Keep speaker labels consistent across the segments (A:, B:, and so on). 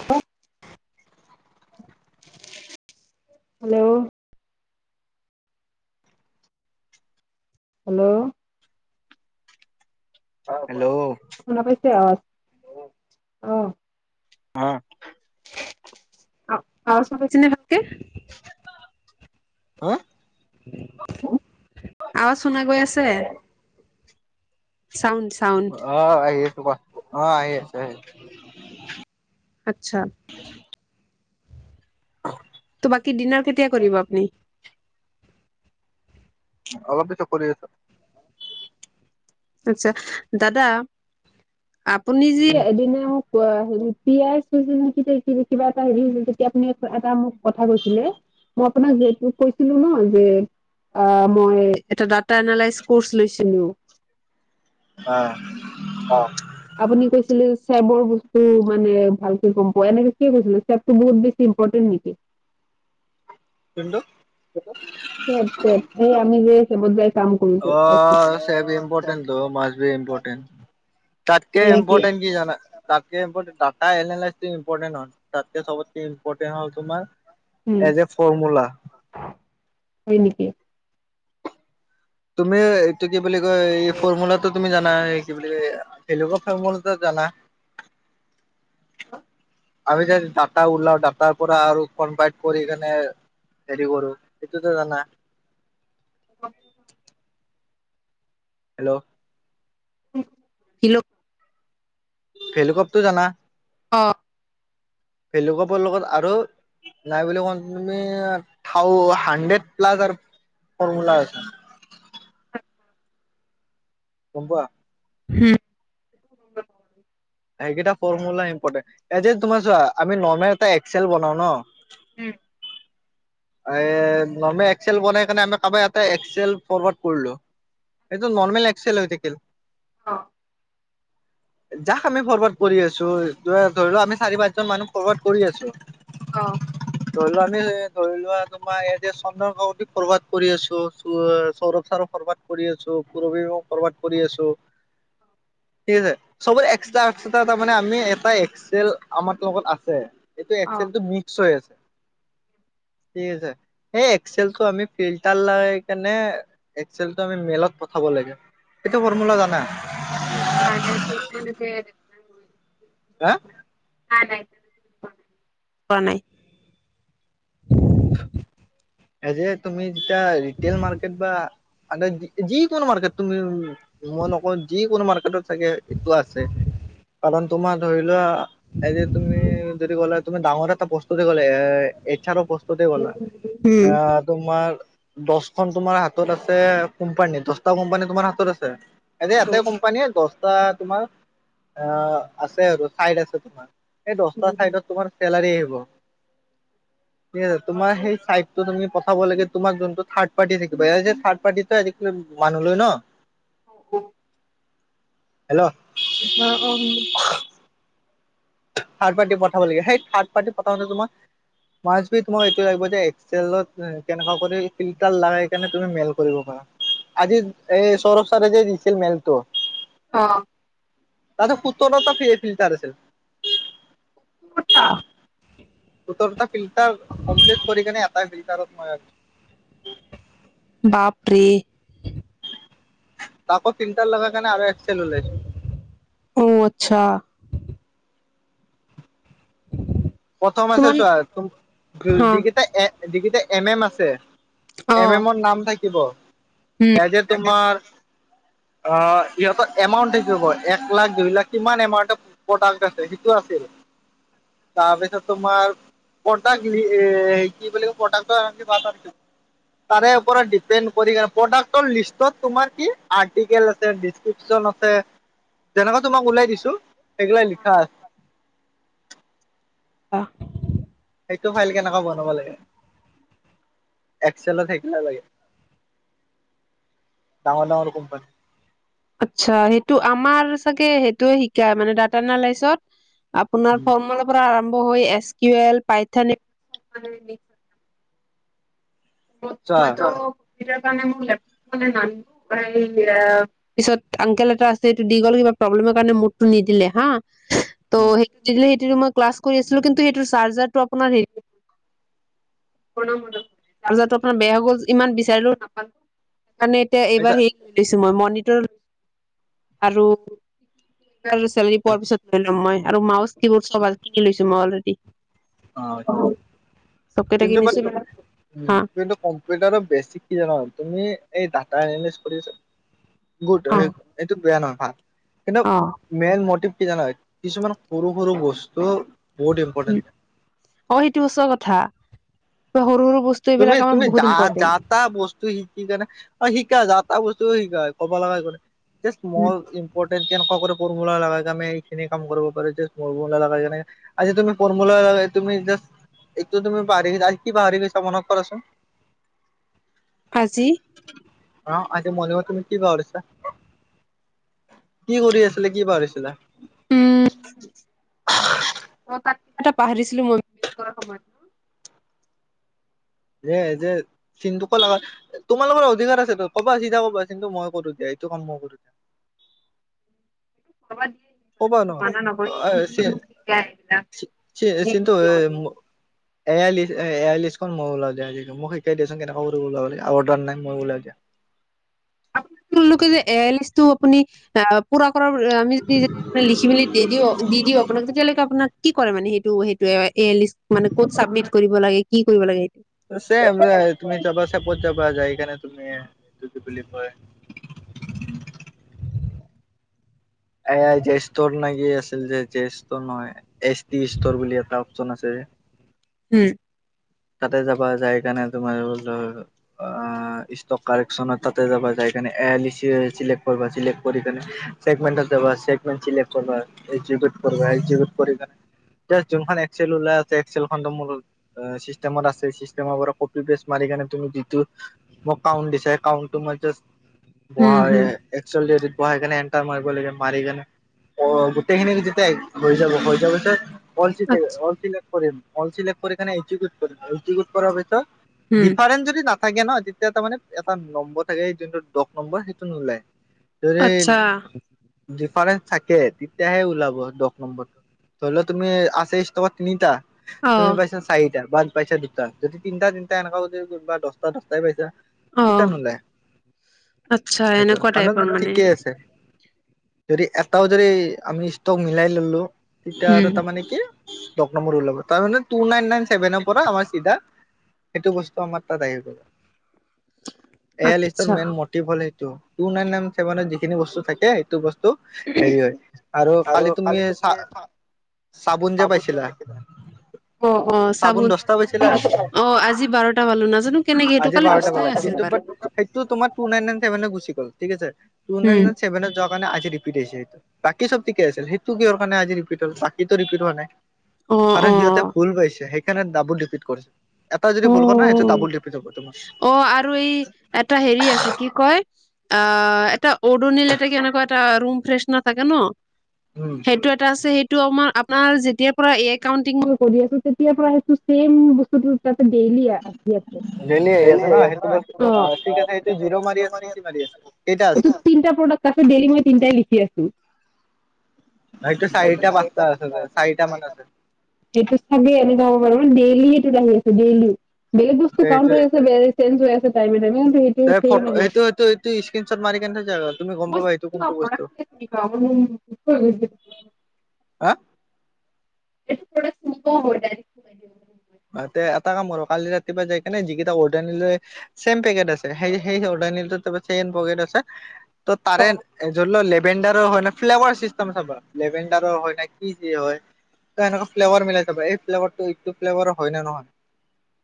A: হ। Hello.
B: [inaudible]
A: Hello. অ কোৱা
B: হেল্ল'
A: অহ শুনা পাইছে আ অহ।
B: অ।
A: আৱাজটো গৈছেনে ভালকে?
B: হা?
A: আৱজ শুনা গৈ আছে? চাউণ্ড চাউণ্ড
B: অ আহিছে কোৱা অ আহি আছে আহি
A: আচ্ছা। ত' বাকী ডিনাৰ কেতিয়া কৰিব আপুনি?
B: অলপ পিছত কৰি আছো।
A: আচ্ছা। দাদা আপুনি যি
B: উম
A: এদিনা মোক হেৰি পিয়াইইছিল নেকি কিবা এটা হেৰি যেতিয়া আপুনি এটা মোক কথা কৈছিল মই আপোনাক যিহেতু কৈছিলো ন যে অ মই এটা ডাটা এনালাইচ কৰ্চ লৈছিলো।
B: অ
A: অ আপুনি কৈছিলে চেবৰ বস্তু মান ভালকে গম পোৱা এনেকে কি কৈছিল চেবটো বহুত বেছি ইম্পৰ্টেন নেকি?
B: কিন্তু
A: চেব চেফ এই আমি যে চেবত যাই কাম কৰো যে
B: অ চেব ইম্পৰ্টেণ্টটো ত মাষ্ট বি ইম্পৰ্টেণ্ট তাতকে
A: হেৰি
B: ইম্পৰ্টেণ্ট কি জান তাতকে ইম্পৰ্টেণ্ট নাই এনালাইচি ইম্পৰ্টেন নহয়। তাতকে চবতকে ইম্পৰ্টেণ্ট হল
A: উম
B: তোমাৰ এজ এ ফৰ্মুলা
A: হয় নেকি
B: তুমি এইটো কি বুলি কয় এই ফৰ্মুলাতটো তুমি জানা এই কি বুলি কয় হেলগা ফেম বুলিত জানা
A: অ
B: আমি যে ডাটা ওলাও ডাটাৰ পৰা আৰু কনভাইট কৰি কেনে হেৰি কৰো এইটোতো জানা
A: অ
B: হেল্লো'
A: হেল্ল
B: কেলিকপটো জানা
A: অ
B: ভেল কপৰ লগত আৰু নাই বুলি ক তুমি থাও হাড্ৰেড প্লাছ আৰু ফৰ্মূলা আছে
A: [inaudible]
B: গম পোৱা
A: উম
B: সেইকেইটা ফৰ্মুলা ইম্পটেণ্ট এজ এ তোমাৰ চোৱা আমি নৰ্মেল এটা এক্সেল বনাও ন এই নৰ্মেল এক্সেল বনাই কেনে আমি কাৰবাক এটা এক্সেল ফৰৱাৰ্ড কৰিলো এইটো নৰ্মেল এক্সেল হৈ থাকিল
A: অ
B: যাক আমি ফৰৱাৰ্ড কৰি আছো ধৰি লও আমি চাৰি পাঁচজন মানুহ ফৰৱিৰ্ড কৰি আছো
A: অ
B: ধৰিলোৱা আমি ধৰি লোৱা তোমাৰ ইয়াতে চন্দ্ৰ কাকতি ফৰৱাৰ্ড কৰি আছো সৌৰভ চাৰ ফৰৱাৰ্ড কৰি আছো ত পুৰৱী মেমক ফৰৱাৰ্ড কৰি আছো
A: [inaudible]
B: ঠিক আছে চবত এক্সট্ৰা এক্সট্ৰা তাৰ মানে আমি এটা এক্সেল আমাৰ লগত আছে এইটো এক্সেলটো মিক্স হৈ আছে
A: [inaudible]
B: ঠিক আছে সেই এক্সেলটো আমি ফিল্টাৰ লাই কেনে এক্সেলটো আমি মেইলত পঠাব ল লাগে এইটো ফৰ্মুলা জানা
A: বালাইটোতে ন
B: হা
A: নাই নাই পোৱা নাই
B: এই যে তুমি যেতিয়া ৰিটেইল মাৰ্কেট বা আ যিকোনো মাৰ্কেট তুমি মই নকওঁ যিকোনো মাৰ্কেটত চাগে এইটো আছে কাৰণ তোমাৰ ধৰি লোৱা এ যে তুমি যদি ক'লে তুমি ডাঙৰ এটা বস্তু দি ক'লে এই এইছ আৰ বস্তু দি কলা
A: উম।
B: আ তোমাৰ দচ এখন তোমাৰ হাতত আছে কোম্পানী দহটা কোম্পানী তোমাৰ হাতত আছে এনে এটা কোম্পানীয়ে ধৰ বা তোমাৰ অ আছে আৰু চাইড আছে তোমাৰ সেই দহটা চাইডত তোমাৰ চেলাৰী আহিব ঠিক আছে তোমাৰ সেই চাইড তুমি পঠাব লাগে তোমাক যোনটো থাৰ্ড পাৰ্টি থাকিবা থাড পাৰ্টিটো আজিকালি মানুহ লয় ন
A: উ
B: হেল্ল'
A: অ অ
B: থাৰ্ড পাৰ্টি পঠাব লাগে সেই থাৰ্ড পাৰ্টি পঠাওটে তোমাৰ মাছ তোমাক এইটোয়ে লাগিব যে এক্সেলত কেনেকুৱা কৰি ফিল্টাৰ লগাই তুমি মেল কৰিব পাৰা। আজি এ সৌৰভ চাৰে যে দিছিল মেলটো
A: অ।
B: তাতে পুতৰত ফ্ৰে ফিলটাৰ আছিল।
A: কটা
B: সতৰটা ফিল্টাৰ কমপ্লিট কৰি কেনে এটাই ফিল্টাৰত মই।
A: বাপৰেই
B: তাকো তিনিটা লগা কাৰনে আৰু এক চেল ওলাইছো।
A: অ আচ্ছা।
B: প্ৰথম আছে
A: তোমাৰ
B: চোৱা
A: হা
B: যিকেইটা যিকেইটা এম এম আছে।
A: অ
B: এম এমৰ নাম থাকিব এ যে তোমাৰ অ ইহঁতৰ এমাউন্ট এক লাখ দুই লাখ কিমান এমাউণ্টৰ প্ৰডাক্ট আছে সেইটো আছিল।
A: [inaudible]
B: তাৰপিছত তোমাৰ পটাক এ কি বুলি পটাকটো প তাৰে ওপৰত ডিপেণ্ড প্ৰডাক্টৰ লিষ্টত তোমাৰ কি আৰ্টিকেল আছে ড্ৰিপনা যেনেকুৱা তোমাক ওলাই দিছো সেইগিলা লিখা আছে।
A: অহ।
B: এইটো ফাইল কেনেকুৱা বনাব লাগে। এক চেলা একু নালাগে। ডাঙৰ ডাঙৰ কোমপানী
A: আচ্ছা সেইটো আমাৰ চাগে সেইটোয়ে শিকাই মানে ডাটা এনালাইচত। আপোনাৰ ফৰ্মূলাৰ পৰা আৰম্ভ আৰম্ভ হৈ এছকিউ এল পাইথান ম ত মই
B: চোৱা
A: তো। কাৰে ম লেপে নানো পিছত আংকেল এটা আছে এইটো দি গ'ল কিবা প্ৰব্লেমৰ কাৰণে মোৰ টো নিদিলে বা তো সেই খিনিত তেতিয়া মই ক্লাছ কৰি আছিলো। কিন্তু সেই চাৰ্জাৰটো আপোনাৰ হেৰি আতো আপোনাৰ বেয়া হৈ গ'ল। ইমান বিচাৰিলেও নাপালো সেইকাৰণে এতিয়া এইবাৰ হেৰি কৰি লৈছো। ই মৰ আৰু চী পোৱাৰ পিছত লৈ লম মই [unintelligible] আৰু মাউছ কি বৰ্ড চব কিনি লৈছো মই অলৰেডি।
B: অ
A: আহ চবকেইটা
B: কিন্তু বাট
A: কিনিছো। হা
B: কিন্তু কম্পিউটাৰৰ বেছিক কি জানা তুমি এই ডাটা এনালিচ কৰিছা। গুড
A: অ
B: এইটো বেয়া নহয় ভাল কিন্তু
A: অ
B: মেইন মটিভ কি জানা হয় কিছুমান সৰু সৰু বস্তু বহুত ইম্পৰ্টেণ্ট।
A: অ সেইটো সঁচা কথা। সৰু সৰু বস্তু
B: তুমি
A: এইবিলাক আমাৰ
B: তুমি
A: বহুত
B: যা যা
A: ইম্পৰ্টেণ্ট
B: তা বস্তু শিকিকনে শ শ যা এটা বস্তু শিক কব লগা একো নাই। য়েছ মৰ ইম্পৰ্টেন কেনকা কৰে ফৰ্মুলা লগাই তুমি এইখিনি কাম কৰিব পাৰা। আজি তুমি ফৰ্মুলা লগাই তুমি জা এইটো তুমি পাহৰি গৈছা কি পাহৰি গৈছা মনত কৰাচোন?
A: আজি
B: আহ আজি মৰ্নিংত তুমি কি বনাব দিছা? কি কৰি আছিলে কি পাহৰিছিলা?
A: উম। অ তাত কিবা এটা পাহৰিছিলো মই কৰা সময়ত ন।
B: এ যে চিনটো কত তোমালোকৰ অধিকাৰ আছেটো কবা চিধা কবা কিন্তু মই কৰো দিয়া। সেইটো কাম মই কৰিম।
A: কবাত
B: ক'বা ন
A: নঠা
B: অ চি
A: আহিলাক
B: চি
A: [unintelligible]
B: চিন্তু এ
A: [inaudible]
B: এ আই লিষ্ট এয়ই লিষ্টখন মোক ওলাই দে মোক শিকাই দেছোন কেনেকা ওলাব লাগে।
A: আপোনালোকে এই আই লিষ্টটো আপুনি পোৰা আমি যদি লিখি মেলি দি দিওঁ দি দিওঁ আপোনাক তেতিয়ালৈকে আপোনাক কি কৰে মানে সেইটো সেইটোৱে [unintelligible] এ লিষ্ট মানে ক'ত চাবমিট কৰিব লাগে, কি কৰিব লাগে
B: চ তুমি যাবা চেপত যাবা য এইকাৰণে তুমি এইটো কি বুলি কয় [inaudible] এ আই জে ষ্টৰ না কি আছিল যে জে ষ্টৰ নহয়। এচ টি ষ্টৰ বুলি এটা অপচন আছে। [unintelligible] [inaudible]
A: হম।
B: তাতে যাবা যাই কাৰণে তোমাৰ বল অ ষ্টক কাৰেকচনত তাতে যাবা যায় [unintelligible] এই আই লিষ্ট চিলেক্ট কৰিবা। চিলেক্ট কৰি কিনে, চেকমেন্তত যাবা চেকমেন্তত চিলেক্ট কৰিবা। [unintelligible] কোনখন এফছেল ওলাই আছে। আফছেলখনটো মোৰ [unintelligible] চিষ্টেমত আছে, চিষ্টেমৰ পৰা কপি বেছ মাৰি কিনে তুমি যিটো মোক কাউণ্ট দিছা কাউণ্টটো [unintelligible] বহা
A: উম
B: হয়
A: হুম
B: একচলি নে এণ্টাৰ মাৰিব লাগে মাৰি কেনে অ গোটেইখিনি যেতিয়া হৈ যাব হৈ যোৱাৰ পিছত [unintelligible] [unintelligible] পিছত
A: আচ্ছা
B: [unintelligible]
A: উম
B: ডিফাৰেন্ঞ্চ যদি না থাকে ন তেতিয়া তাৰ মানে এটা নম্বৰ থাকে যোনটো দশ নম্বৰ সেইটো নোলায় [unintelligible] যদি
A: আচ্ছা
B: ডিফাৰেঞ্চ থাকে তেতিয়াহে ওলাব দশ নম্বৰটো ধৰি ল তুমি আথাইছ টকা তিনিটা [unintelligible]
A: অ
B: তুমি পাইছা চাৰিটা বা পাইছা দুটা যদি তিনিটা তিনিটা এনেকাও যদি বা দহটা দহটাই পাইছা [unintelligible]
A: অ
B: কিতানোলাই
A: আচ্ছা
B: সেইটো
A: এনেকুৱা
B: অনত
A: টাইপৰ মানে
B: ঠিকেই আছে [unintelligible] যদি এটাও যদি আমি ষ্টক মিলাই ললো তেতিয়া আৰু
A: উম
B: তাৰমানে কি দহ নম্বৰ ওলাব তাৰে মানে কি টু নাইন নাইন ছেভেন [unintelligible] পৰা আমাৰ চিধা সেইটো বস্তু আমাৰ তাত আহি গল এয়াই লিষ্টৰ
A: আচ্ছা
B: মেইন মটিভ হল সেইটো টু নাইন নাইন ছেভেনত যিখিনি বস্তু থাকে সেইটো বস্তু [unintelligible] হেৰি হয় আৰু কালি তুমি চা চাবোন যে পাইছিলা
A: অঁ অঁ চাবোন
B: দহটা পাইছিলা
A: অঁ আজি বাৰটা পালো নাজানো কেনেকে সেইটো
B: আজি
A: কালি
B: বাৰটা বলা
A: দস্তাই আছিল
B: কিন্তু
A: বাৰু
B: বাট সেইটো তোমাৰ টু নাইন নাইন চেভেনেত গুচি গল ঠিক আছে টু নাইন
A: উম,
B: নাইন চেভেনত যোৱা [unintelligible] কাৰণে আজি সেইটো ৰিপিট হল বাকী চব ঠিকে আছিল সেইটো কি কাৰণে আজি ৰিপট হল বাকীটো ৰিপিট হোৱা নাই [unintelligible]
A: অ',
B: আৰু সিহঁতে
A: অ',
B: ভুল পাইছে সেইকাৰণে ডাবল ৰিপিট কৰিছে এটা যদি ভুল কৰা নাই সেইটো
A: উম
B: ডাবুল ৰিপিট হ'ব তোমাৰ
A: অঁ আৰু এই এটা হেৰি আছে কি কয় [unintelligible] আহ এটা অৰোনিল এটা কি এনেকা এটা ৰুম ফ্ৰেছনাৰ থাকে ন [unintelligible]
B: উম
A: সেইটো এটা আছে সেইটো [unintelligible] সেইটো আমাৰ আপোনাৰ যেতিয়াৰ পৰা এ কাউন্টিং মই কৰি আছো তেতিয়া পৰা সেইটো ছেম বস্তুটো [unintelligible] ডেইলি আহি আছে
B: ডেইলি আহি আছে ন
A: এনেই
B: সেইটো
A: আহি
B: বস্তু
A: আছে
B: অ ঠিক আছে সেইটো
A: ন এইটো জিৰ মাৰি
B: নে কি
A: আছে অঁ
B: কেইটা আছে
A: এইটো তিনটা প্ৰডাক্ট [unintelligible] তাৰপিছত ডেইলি মই তিনটাই লিখি আছো
B: সেইটো
A: এইটোত
B: পাঁচটা
A: চাৰিটা পাঁচতা আছে
B: মান
A: চাৰিটা
B: আছে
A: এইটোত চাগে এনেয়ে হব পাৰে ডেইলি সেইটোত আহি আছে ডেইলি বেলেগ বস্তু কাউণ্ট
B: সেইটো
A: হৈ আছে চেইনজ হৈ আছে [unintelligible] সেইটো চেম
B: ফটো
A: আহি আছে
B: সেইটো সেইটো এইটো স্ক্ৰীনশ্বট মাৰি কেনে থৈছা তুমি গম পাবা সেইটো কোনটো বস্তু
A: উম
B: হাঁ
A: [unintelligible] [inaudible]
B: এ এটা কাম আৰু কালি ৰাতিপুৱা যাই কেনে যিকেইটা অৰ্ডাৰিল চেম পেকেট আছে সেই [unintelligible] নিলো চেম পেকেত আছে ত তাৰে ধৰি ল লেবেনডাৰৰ হয় নে ফেল্ভাৰ চিষ্টেম থাকিব লেবেণ্ডাৰৰ হয় নে কি কি হয় তই এনেকুৱা ফ্লেভাৰ মিলাই যাবা এই ফ্লেভাৰটো এইটো ফ্লেভাৰ হয় নে নহয় [unintelligible]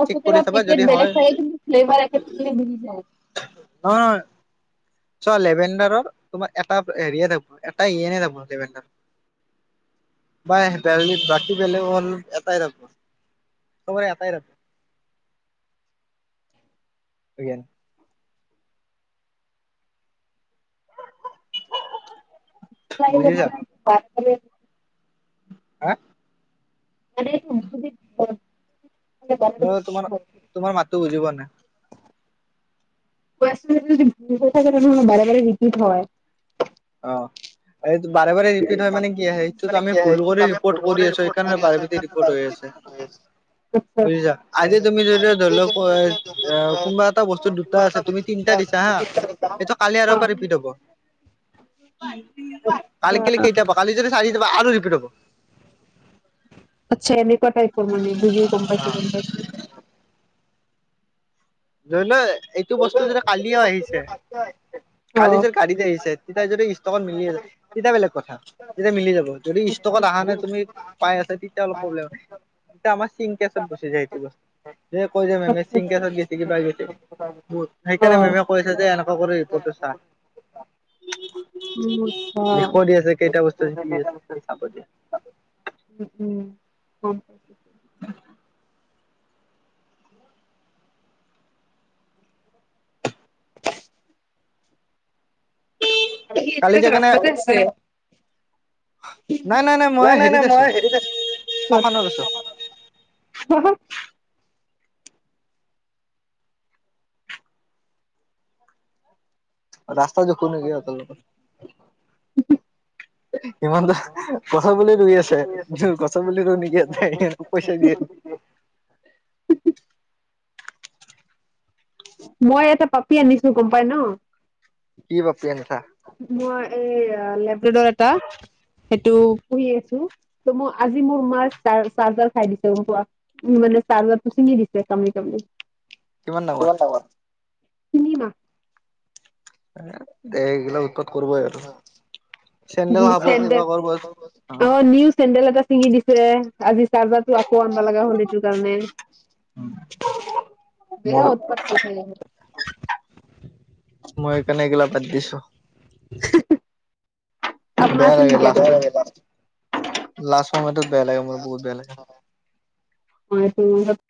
A: আৰু
B: চেক কৰি
A: কেতিয়াবা
B: চাবা যদি
A: পেকেট
B: হয়
A: বেলেগ বেলেগ কিন্তু ফ্লেভাৰ একে মিলি যায়
B: অ' চোৱা লেবেণ্ডাৰৰ তোমাৰ এটা হেৰিয়ে থাকিব এটা ইয়েনে থাকিব লেভেণ্ডাৰৰ বাই বাকী বেলেগৰ এটা এটাই থাকিব চবৰে এটাই থাকিব [unintelligible]
A: [unintelligible]
B: হাঁ
A: [unintelligible] বাৰে
B: মই তোমাৰ তোমাৰ মাতো বুজি পোৱা নাই
A: যাক বাৰে বাৰে ৰিপিট হয়
B: অঁ এই বাৰে বাৰে ৰিপিট হয় মানে কি সেইটোত আমি ভুল কৰি ৰিপৰ্ট কৰি আছো সেইকাৰণে বাৰে বাৰে ৰিপৰ্ট হৈ আছে
A: হয়
B: বুজিছা আজি তুমি যদি ধৰি লওক কোনোবা এটা বস্তু দুটা আছে তুমি তিনটা দিছা হা সেটো কালি আৰু পৰা ৰিপিট হ'ব
A: [unintelligible]
B: কালি কেলে
A: আ
B: কেইটাব কালি যদি চাৰি যাবা আৰু ৰিপিট হব
A: আচ্ছা এনেকোৱা টাইপৰ মানে বুজি গম পাইছো গম পাইছো
B: জলে এইটো বস্তু যে কালিও আহিছে
A: অ
B: কালি যেৰ গাড়ীত আহিছে তেতিয়াই যদি ষ্টকত মিলি আ তেতিয়া বেলেগ কথা তেতিয়া মিলি যাব যদি ষ্টকত অহা নে তুমি পাই তেতিয়া অলপ প্ৰব্লেম আমাৰ চিং কেছত গুচি যায় এইটো বস্তু যে কৈ যে মেমে
A: আচ্ছা
B: চিংকচত গেছে কিবা গেছে
A: আচ্ছা অ
B: সেইকাৰণে মেমে কৈছে যে এক কৰি কটো চা
A: উম আচ্ছা
B: দি
A: উম
B: আছে কেইটা বস্তু আছে চাব দিয়া
A: উম উম গম পাইছো [inaudible] সি
B: কালি
A: এতিয়ালৈকে
B: যেকাৰণে
A: ৰাস্তাতে আছে
B: নাই মই
A: নাই নাই নাই
B: হেৰিত আছো
A: মই হেৰিত আছো
B: শশানত আছো
A: [unintelligible]
B: ৰাস্তা জখো ন গ তোক ইমান দ কচা ব ৰুই আছে কচা বুলি ৰু নেকিয়াই পইচা দিয়ে নেকি
A: [inaudible] মই এটা পাপি আনিছো গম পাই ন
B: কি পাপি আনিছা
A: মই এই লেব্ৰেডৰ এটা সেইটো পুহি আছো ত মই আজি মোৰ মাৰ চাৰ্জাৰ খাই দিছে গম পোৱা মোৰ মানে চাৰবাৰ তু ছিঙি দিছে কামৰি কামৰি
B: কিমান ডাঙৰ
A: তিনি মাহ
B: এই গিলা উৎপাত কৰিবই আৰু চেন
A: মাহ
B: খাব কিবা কৰিব অ
A: চেন্দেল এটা ছিঙি দিছে আজি চাৰ্জাৰটো আকৌ আনিব লগা হ'ল সেইটো কাৰণে বেয়া
B: মোৰ
A: উৎপাত কৰি থাকে
B: মই সেইকাৰণে এইগিলা বাদ দিছো
A: হী হী আপোনাৰ
B: বেয়া
A: আছিল
B: লাগে
A: নেকি
B: লাষ্টত
A: আগতে
B: লাষ্ট সময়টোত বেয়া লাগে মোৰ বহুত বেয়া লাগে
A: হয়টো ম